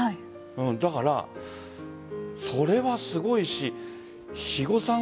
だから、それはすごいし肥後さん